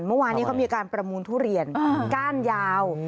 เมื่อวานนี้เขามีการประมูลทุเรียนก้านยาว